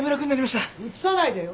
うつさないでよ？